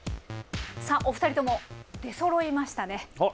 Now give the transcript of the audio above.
さあお二人とも出そろいましたね。